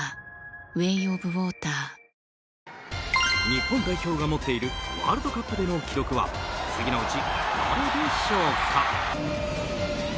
日本代表が持っているワールドカップでの記録は次のうちどれでしょうか？